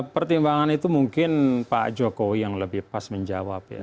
pertimbangan itu mungkin pak jokowi yang lebih pas menjawab ya